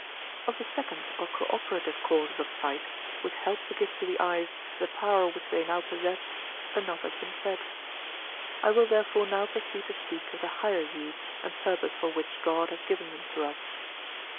Of the second or co operative causes of sight, which help to give to the eyes the power which they now possess, enough has been said. I will therefore now proceed to speak of the higher use and purpose for which God has given them to us.